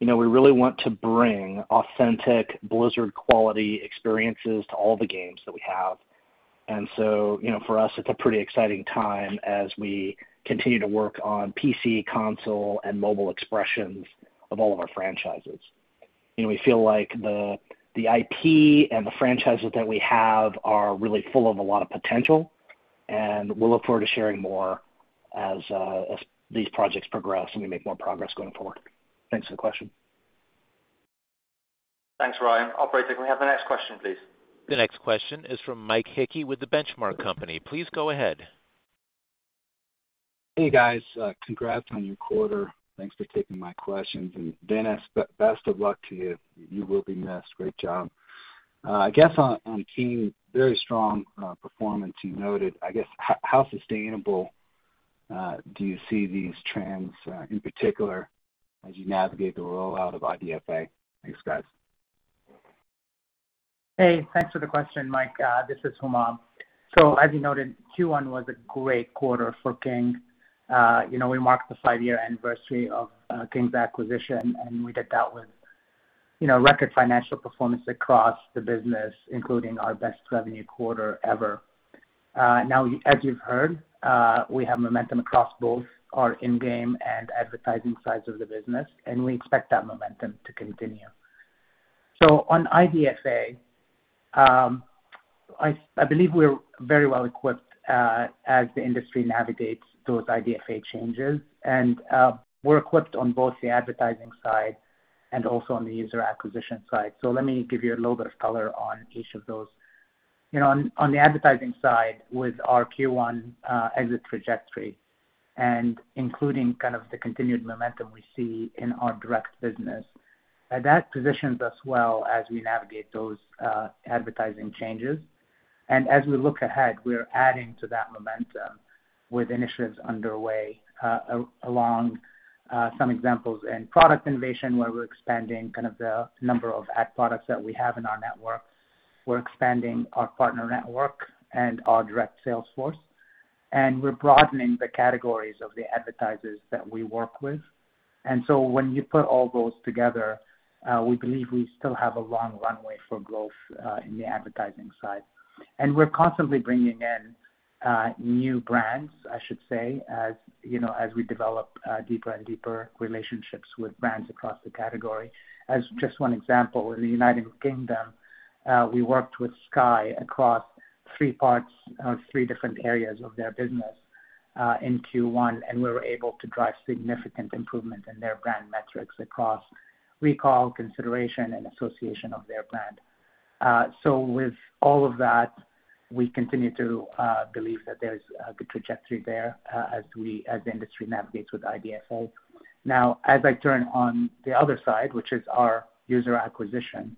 We really want to bring authentic Blizzard quality experiences to all the games that we have. For us, it's a pretty exciting time as we continue to work on PC, console, and mobile expressions of all of our franchises. We feel like the IP and the franchises that we have are really full of a lot of potential, and we'll look forward to sharing more as these projects progress and we make more progress going forward. Thanks for the question. Thanks, Ryan. Operator, can we have the next question, please? The next question is from Mike Hickey with The Benchmark Company. Please go ahead. Hey, guys. Congrats on your quarter. Thanks for taking my questions. Dennis, best of luck to you. You will be missed. Great job. I guess on King, very strong performance you noted. I guess, how sustainable do you see these trends, in particular as you navigate the rollout of IDFA? Thanks, guys. Hey, thanks for the question, Mike Hickey. This is Humam Sakhnini. As you noted, Q1 was a great quarter for King. We marked the five-year anniversary of King's acquisition, and we did that with record financial performance across the business, including our best revenue quarter ever. Now, as you've heard, we have momentum across both our in-game and advertising sides of the business, and we expect that momentum to continue. On IDFA, I believe we're very well-equipped as the industry navigates those IDFA changes, and we're equipped on both the advertising side and also on the user acquisition side. Let me give you a little bit of color on each of those. On the advertising side with our Q1 exit trajectory and including kind of the continued momentum we see in our direct business, that positions us well as we navigate those advertising changes. As we look ahead, we are adding to that momentum with initiatives underway along some examples in product innovation, where we're expanding kind of the number of ad products that we have in our network. We're expanding our partner network and our direct sales force. We're broadening the categories of the advertisers that we work with. When you put all those together, we believe we still have a long runway for growth in the advertising side. We're constantly bringing in new brands, I should say, as we develop deeper and deeper relationships with brands across the category. As just one example, in the United Kingdom, we worked with Sky across three different areas of their business in Q1. We were able to drive significant improvement in their brand metrics across recall, consideration, and association of their brand. With all of that, we continue to believe that there's a good trajectory there as the industry navigates with IDFA. As I turn on the other side, which is our user acquisition,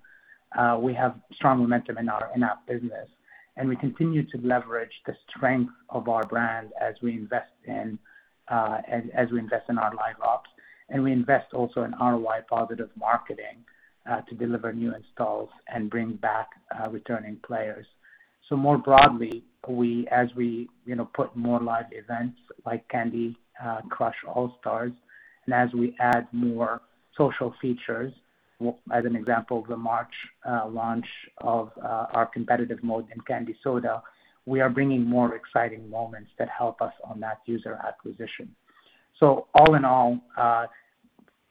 we have strong momentum in our in-app business, and we continue to leverage the strength of our brand as we invest in our live ops, and we invest also in ROI-positive marketing to deliver new installs and bring back returning players. More broadly, as we put more live events like Candy Crush All Stars and as we add more social features, as an example, the March launch of our competitive mode in Candy Soda, we are bringing more exciting moments that help us on that user acquisition. All in all,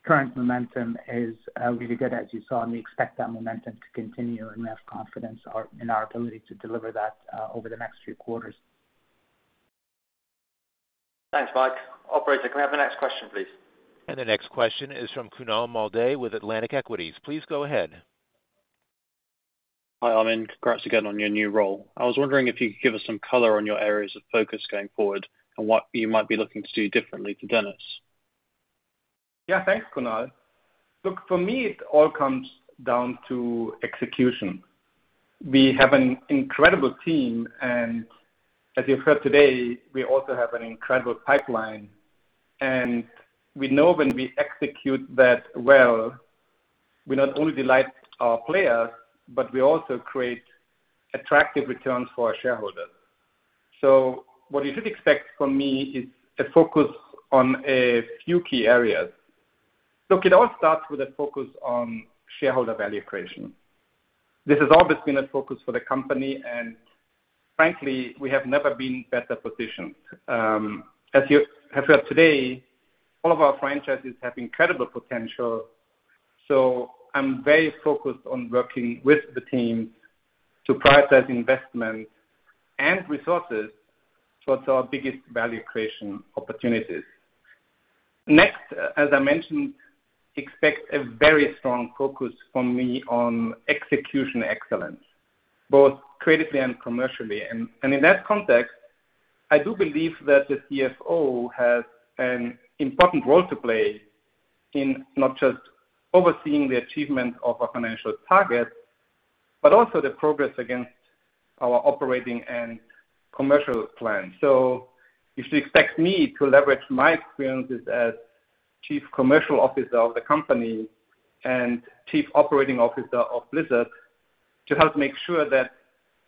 current momentum is really good as you saw, and we expect that momentum to continue and we have confidence in our ability to deliver that over the next few quarters. Thanks, Mike. Operator, can we have the next question, please? The next question is from Kunaal Malde with Atlantic Equities. Please go ahead. Hi, Armin. Congrats again on your new role. I was wondering if you could give us some color on your areas of focus going forward and what you might be looking to do differently to Dennis. Thanks, Kunaal. Look, for me, it all comes down to execution. We have an incredible team, as you've heard today, we also have an incredible pipeline. We know when we execute that well, we not only delight our players, but we also create attractive returns for our shareholders. What you should expect from me is a focus on a few key areas. It all starts with a focus on shareholder value creation. This has always been a focus for the company, frankly, we have never been better positioned. As you have heard today, all of our franchises have incredible potential, I'm very focused on working with the team to prioritize investment and resources towards our biggest value creation opportunities. Next, as I mentioned, expect a very strong focus from me on execution excellence, both creatively and commercially. In that context, I do believe that the CFO has an important role to play in not just overseeing the achievement of our financial targets, but also the progress against our operating and commercial plans. You should expect me to leverage my experiences as Chief Commercial Officer of the company and Chief Operating Officer of Blizzard to help make sure that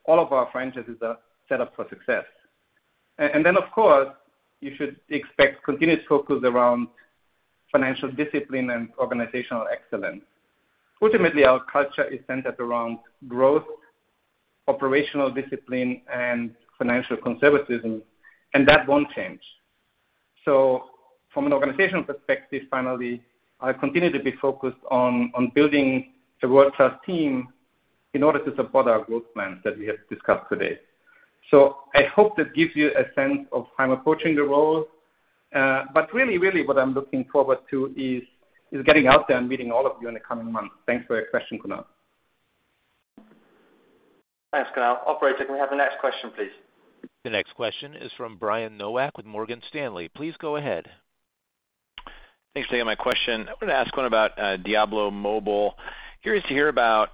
all of our franchises are set up for success. Then, of course, you should expect continued focus around financial discipline and organizational excellence. Ultimately, our culture is centered around growth, operational discipline, and financial conservatism, and that won't change. From an organizational perspective, finally, I continue to be focused on building a world-class team in order to support our growth plans that we have discussed today. I hope that gives you a sense of how I'm approaching the role. Really, what I'm looking forward to is getting out there and meeting all of you in the coming months. Thanks for your question, Kunaal. Thanks, Kunaal. Operator, can we have the next question, please? The next question is from Brian Nowak with Morgan Stanley. Please go ahead. Thanks for taking my question. I wanted to ask one about Diablo Immortal. Curious to hear about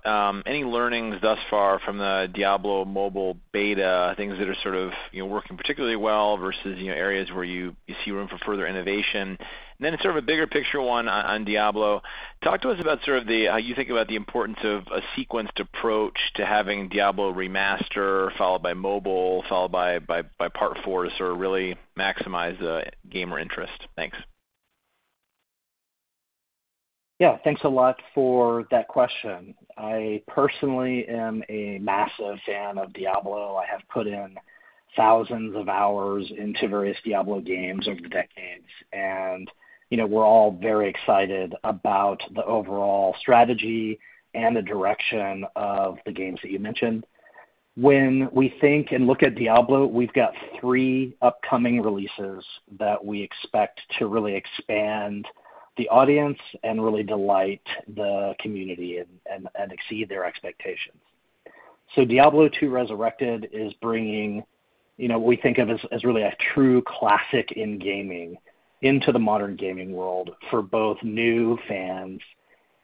any learnings thus far from the Diablo Immortal beta, things that are sort of working particularly well versus areas where you see room for further innovation. Sort of a bigger picture one on Diablo. Talk to us about how you think about the importance of a sequenced approach to having Diablo II: Resurrected followed by Diablo Immortal, followed by Diablo IV to sort of really maximize the gamer interest. Thanks. Yeah. Thanks a lot for that question. I personally am a massive fan of Diablo. I have put in thousands of hours into various Diablo games over the decades. We're all very excited about the overall strategy and the direction of the games that you mentioned. When we think and look at Diablo, we've got three upcoming releases that we expect to really expand the audience and really delight the community and exceed their expectations. Diablo II: Resurrected is bringing, we think of as really a true classic in gaming into the modern gaming world for both new fans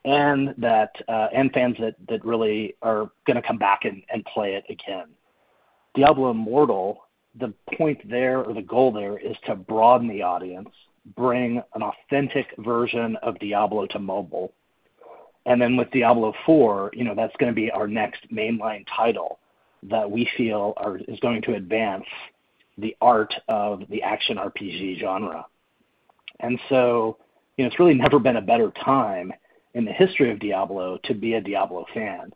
and fans that really are going to come back and play it again. Diablo Immortal, the point there, or the goal there, is to broaden the audience, bring an authentic version of Diablo to mobile. With Diablo IV, that's going to be our next mainline title that we feel is going to advance the art of the action RPG genre. It's really never been a better time in the history of Diablo to be a Diablo fan.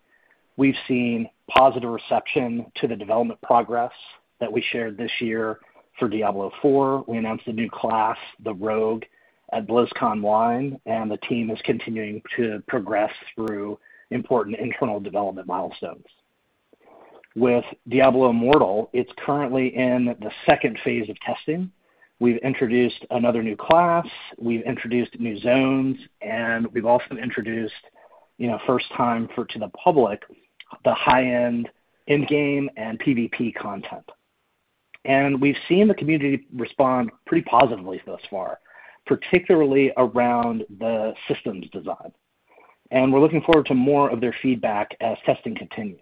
We've seen positive reception to the development progress that we shared this year for Diablo IV. We announced a new class, the Rogue, at BlizzConline, and the team is continuing to progress through important internal development milestones. With Diablo Immortal, it's currently in the phase two of testing. We've introduced another new class, we've introduced new zones, and we've also introduced, first time to the public, the high-end endgame and PVP content. We've seen the community respond pretty positively thus far, particularly around the systems design. We're looking forward to more of their feedback as testing continues.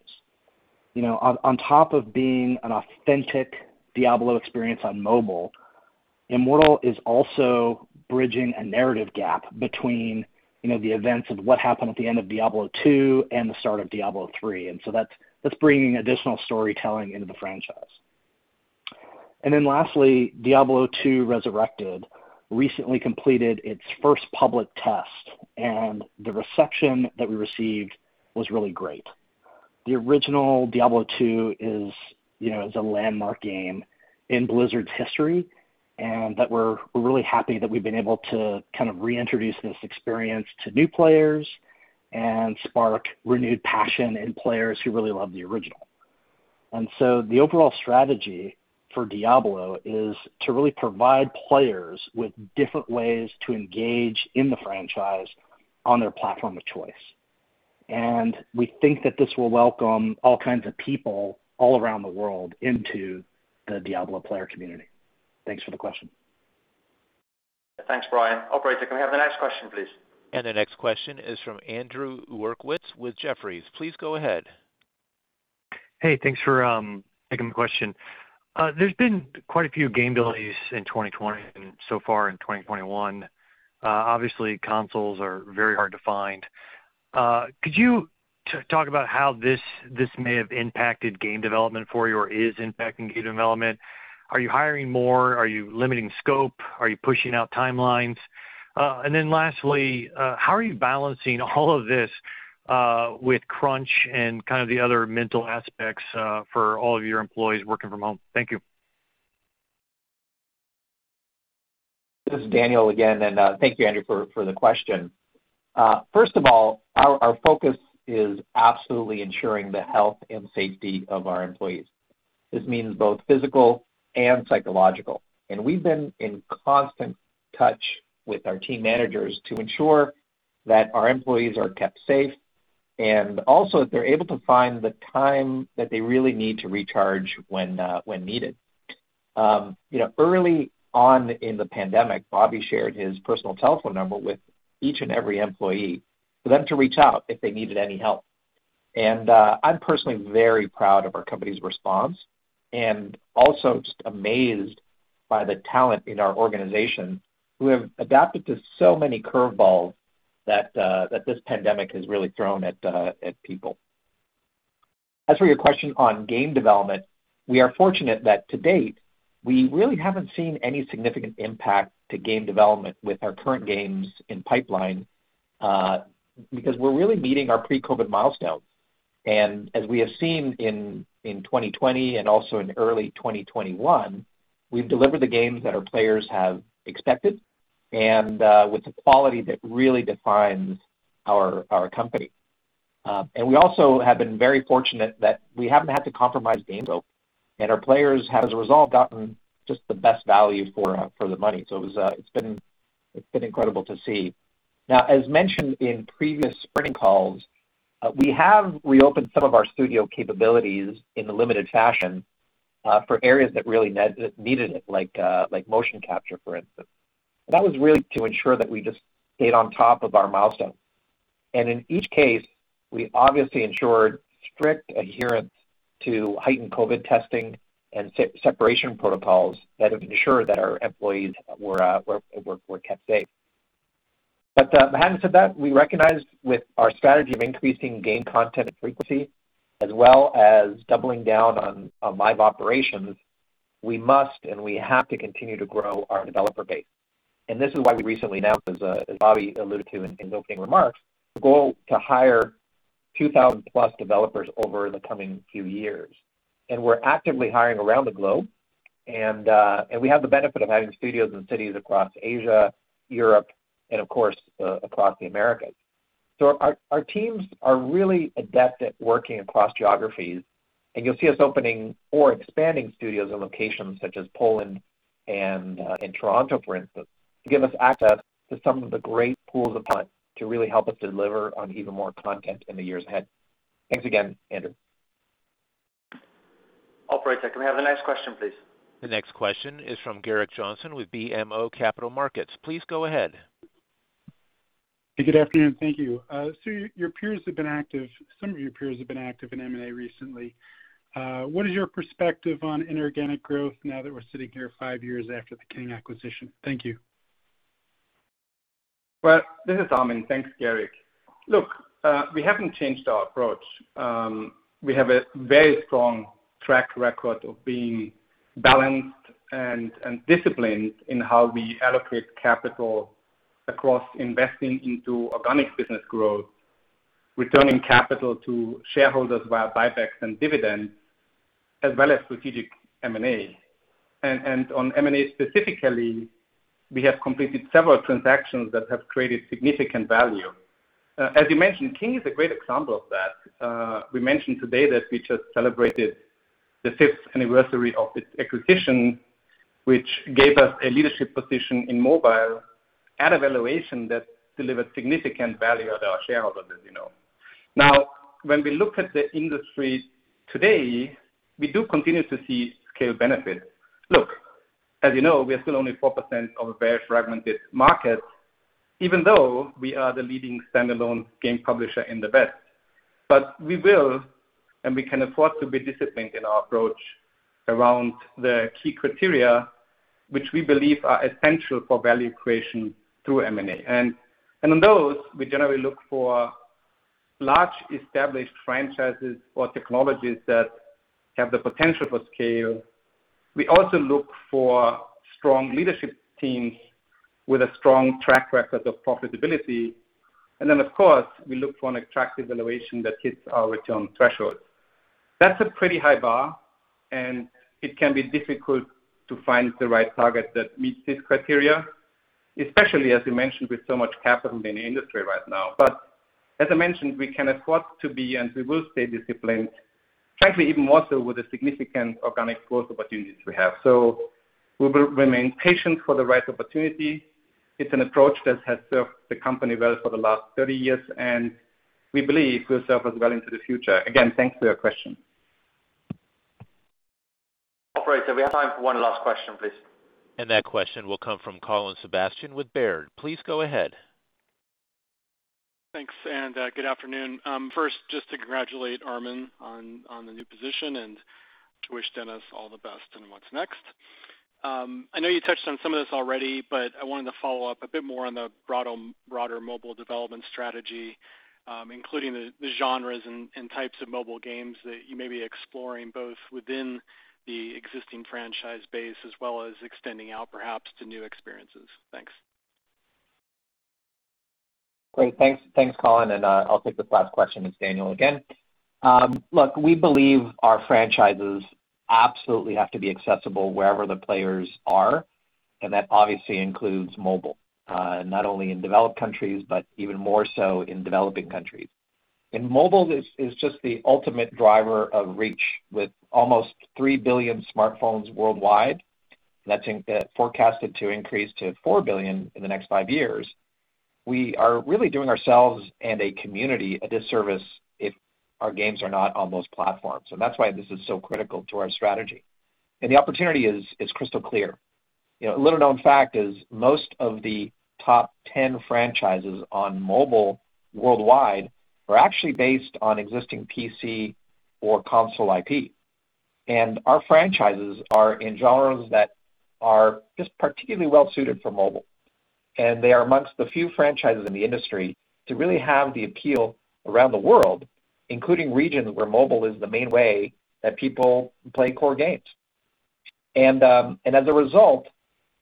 On top of being an authentic Diablo experience on mobile, Immortal is also bridging a narrative gap between the events of what happened at the end of Diablo II and the start of Diablo III. That's bringing additional storytelling into the franchise. Lastly, Diablo II: Resurrected recently completed its first public test, and the reception that we received was really great. The original Diablo II is a landmark game in Blizzard's history, and that we're really happy that we've been able to kind of reintroduce this experience to new players and spark renewed passion in players who really loved the original. The overall strategy for Diablo is to really provide players with different ways to engage in the franchise on their platform of choice. We think that this will welcome all kinds of people all around the world into the Diablo player community. Thanks for the question. Thanks, Brian. Operator, can we have the next question, please? The next question is from Andrew Uerkwitz with Jefferies. Please go ahead. Hey, thanks for taking the question. There's been quite a few game delays in 2020 and so far in 2021. Obviously, consoles are very hard to find. Could you talk about how this may have impacted game development for you or is impacting game development? Are you hiring more? Are you limiting scope? Are you pushing out timelines? Lastly, how are you balancing all of this with crunch and kind of the other mental aspects for all of your employees working from home? Thank you. This is Daniel Alegre again. Thank you, Andrew Uerkwitz, for the question. First of all, our focus is absolutely ensuring the health and safety of our employees. This means both physical and psychological. We've been in constant touch with our team managers to ensure that our employees are kept safe and also that they're able to find the time that they really need to recharge when needed. Early on in the pandemic, Bobby Kotick shared his personal telephone number with each and every employee for them to reach out if they needed any help. I'm personally very proud of our company's response and also just amazed by the talent in our organization who have adapted to so many curveballs that this pandemic has really thrown at people. As for your question on game development, we are fortunate that to date, we really haven't seen any significant impact to game development with our current games in pipeline, because we're really meeting our pre-COVID milestones. As we have seen in 2020 and also in early 2021, we've delivered the games that our players have expected and with the quality that really defines our company. We also have been very fortunate that we haven't had to compromise game scope, and our players have, as a result, gotten just the best value for the money. It's been incredible to see. Now, as mentioned in previous earnings calls, we have reopened some of our studio capabilities in a limited fashion for areas that really needed it, like motion capture, for instance. That was really to ensure that we just stayed on top of our milestones. In each case, we obviously ensured strict adherence to heightened COVID testing and separation protocols that have ensured that our employees were kept safe. Having said that, we recognize with our strategy of increasing game content and frequency, as well as doubling down on live operations, we must and we have to continue to grow our developer base. This is why we recently announced, as Bobby alluded to in his opening remarks, the goal to hire 2,000+ developers over the coming few years. We're actively hiring around the globe, and we have the benefit of having studios in cities across Asia, Europe, and of course, across the Americas. Our teams are really adept at working across geographies, and you'll see us opening or expanding studios in locations such as Poland and in Toronto, for instance, to give us access to some of the great pools of talent to really help us deliver on even more content in the years ahead. Thanks again, Andrew. Operator, can we have the next question, please? The next question is from Gerrick Johnson with BMO Capital Markets. Please go ahead. Good afternoon. Thank you. Your peers have been active, some of your peers have been active in M&A recently. What is your perspective on inorganic growth now that we're sitting here five years after the King Digital Entertainment acquisition? Thank you. Well, this is Armin. Thanks, Gerrick. Look, we haven't changed our approach. We have a very strong track record of being balanced and disciplined in how we allocate capital across investing into organic business growth, returning capital to shareholders via buybacks and dividends, as well as strategic M&A. On M&A specifically, we have completed several transactions that have created significant value. As you mentioned, King Digital Entertainment is a great example of that. We mentioned today that we just celebrated the fifth anniversary of its acquisition, which gave us a leadership position in mobile at a valuation that delivered significant value to our shareholders, as you know. Now, when we look at the industry today, we do continue to see scale benefits. Look, as you know, we are still only 4% of a very fragmented market, even though we are the leading standalone game publisher in the West. We will, and we can afford to be disciplined in our approach around the key criteria, which we believe are essential for value creation through M&A. On those, we generally look for large established franchises or technologies that have the potential for scale. We also look for strong leadership teams with a strong track record of profitability. Then, of course, we look for an attractive valuation that hits our return threshold. That's a pretty high bar, and it can be difficult to find the right target that meets this criteria, especially, as you mentioned, with so much capital in the industry right now. As I mentioned, we can afford to be, and we will stay disciplined, frankly, even more so with the significant organic growth opportunities we have. We will remain patient for the right opportunity. It's an approach that has served the company well for the last 30 years, and we believe will serve us well into the future. Again, thanks for your question. Operator, we have time for one last question, please. That question will come from Colin Sebastian with Baird. Please go ahead. Thanks. Good afternoon. First, just to congratulate Armin on the new position and to wish Dennis all the best in what's next. I know you touched on some of this already, but I wanted to follow up a bit more on the broader mobile development strategy, including the genres and types of mobile games that you may be exploring, both within the existing franchise base as well as extending out perhaps to new experiences. Thanks. Great. Thanks, Colin. I'll take this last question. It's Daniel again. Look, we believe our franchises absolutely have to be accessible wherever the players are, and that obviously includes mobile, not only in developed countries, but even more so in developing countries. Mobile is just the ultimate driver of reach with almost three billion smartphones worldwide. That's forecasted to increase to four billion in the next five years. We are really doing ourselves and a community a disservice if our games are not on those platforms. That's why this is so critical to our strategy. The opportunity is crystal clear. A little known fact is most of the top 10 franchises on mobile worldwide are actually based on existing PC or console IP. Our franchises are in genres that are just particularly well suited for mobile. They are amongst the few franchises in the industry to really have the appeal around the world, including regions where mobile is the main way that people play core games. As a result,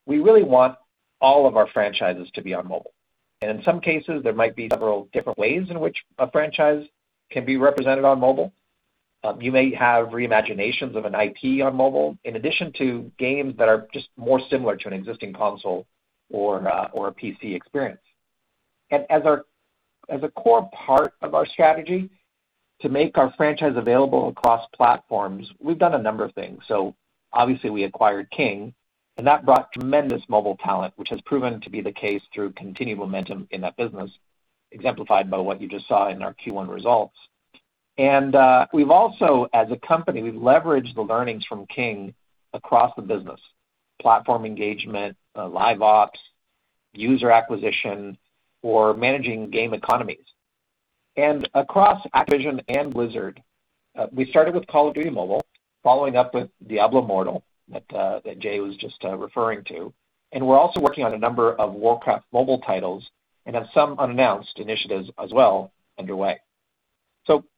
we really want all of our franchises to be on mobile. In some cases, there might be several different ways in which a franchise can be represented on mobile. You may have re-imaginations of an IP on mobile, in addition to games that are just more similar to an existing console or a PC experience. As a core part of our strategy to make our franchise available across platforms, we've done a number of things. Obviously we acquired King Digital Entertainment, and that brought tremendous mobile talent, which has proven to be the case through continued momentum in that business, exemplified by what you just saw in our Q1 results. We've also, as a company, we've leveraged the learnings from King across the business, platform engagement, live ops, user acquisition, or managing game economies. Across Activision and Blizzard, we started with Call of Duty Mobile, following up with Diablo Immortal that J. Allen Brack was just referring to, and we're also working on a number of Warcraft mobile titles, and have some unannounced initiatives as well underway.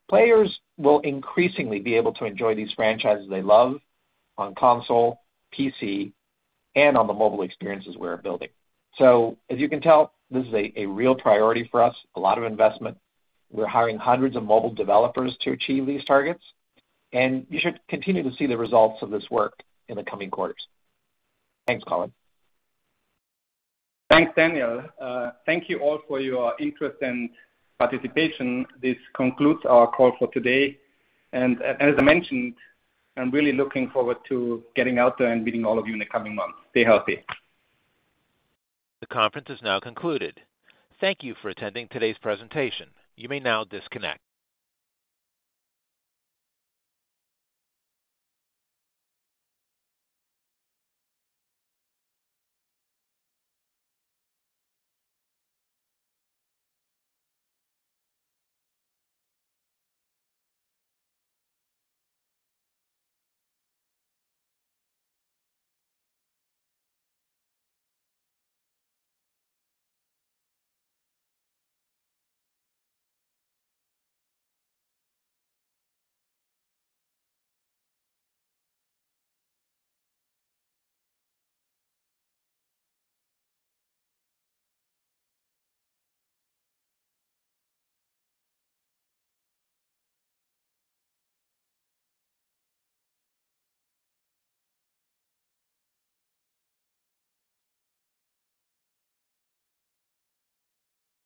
Players will increasingly be able to enjoy these franchises they love on console, PC, and on the mobile experiences we're building. As you can tell, this is a real priority for us, a lot of investment. We're hiring hundreds of mobile developers to achieve these targets, and you should continue to see the results of this work in the coming quarters. Thanks, Colin. Thanks, Daniel. Thank you all for your interest and participation. This concludes our call for today. As I mentioned, I'm really looking forward to getting out there and meeting all of you in the coming months. Stay healthy. The conference is now concluded. Thank you for attending today's presentation. You may now disconnect.